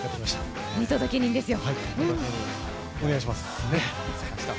見届け人ですよ。